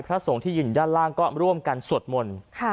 สงฆ์ที่ยืนด้านล่างก็ร่วมกันสวดมนต์